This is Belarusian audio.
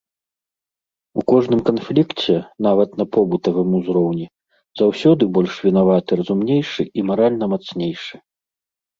У кожным канфлікце, нават на побытавым узроўні, заўсёды больш вінаваты разумнейшы і маральна мацнейшы.